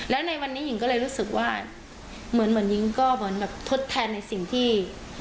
แล้วในวันนี้หญิงก็เลยรู้สึกว่าเหมือนหญิงก็เหมือนแบบทดแทนในสิ่งที่